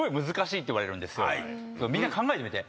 みんな考えてみて。